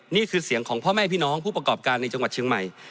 นี่คือเสียงของพ่อแม่พี่น้องผู้ประกอบการในจังหวัดเชียงใหม่